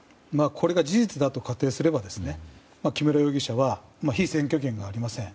これが事実だと仮定すれば木村容疑者は被選挙権がありません。